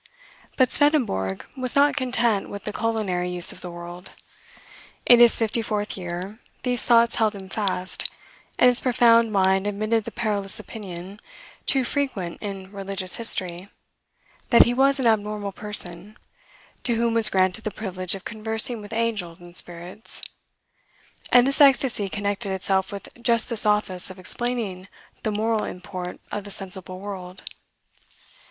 But Swedenborg was not content with the culinary use of the world. In his fifty fourth year, these thoughts held him fast, and his profound mind admitted the perilous opinion, too frequent in religious history, that he was an abnormal person, to whom was granted the privilege of conversing with angels and spirits; and this ecstasy connected itself with just this office of explaining the moral import of the sensible world.